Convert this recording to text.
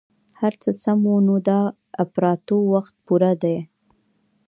که هرڅه سم وو نو د اپراتو وخت پوره ديه.